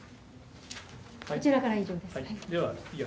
こちらからは以上です。